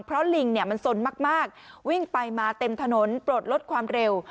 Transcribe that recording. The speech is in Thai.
เพราะลิงเนี่ยมันสนมากวิ่งไปมาเต็มถนนปลดลดความเร็ว